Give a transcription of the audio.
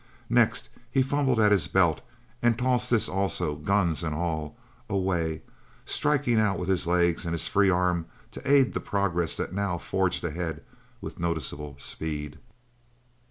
Next he fumbled at his belt and tossed this also, guns and all, away; striking out with his legs and his free arm to aid the progress that now forged ahead with noticeable speed.